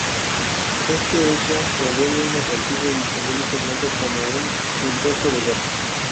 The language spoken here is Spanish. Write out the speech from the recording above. Este hecho lo vuelve un atractivo y simbólico blanco como un "impuesto de guerra".